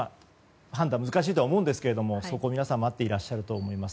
判断は難しいと思うんですがそこを皆さん待っていると思います。